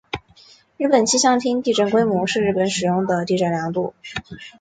日本气象厅地震规模是日本使用的地震度量。